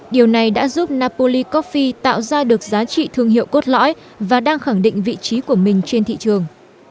điều này đã giúp napolicophie tạo ra được giá trị thương hiệu cốt lõi và đang khẳng định vị trí của mình trên thị trường